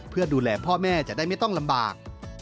เพื่อดูแลพ่อแม่จะได้ไม่ต้องลำบาก